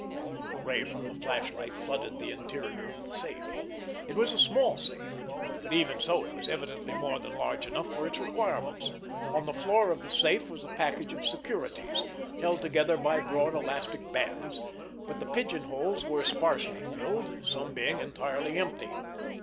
The ray from the flashlight flooded the interior of the safe. It was a small safe, but even so it was evidently more than large enough for its requirements. On the floor of the safe was a package of securities, held together by broad elastic bands, but the pigeon holes were but sparsely filled, some being entirely empty.